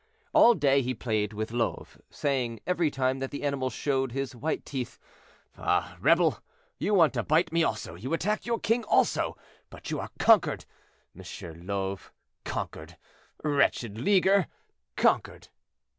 All day he played with Love, saying, every time that the animal showed his white teeth, "Ah, rebel! you want to bite me also; you attack your king also; but you are conquered, M. Love—conquered, wretched leaguer—conquered."